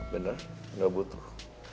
benar gak butuh